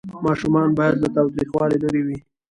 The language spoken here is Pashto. ماشومان باید له تاوتریخوالي لرې وي.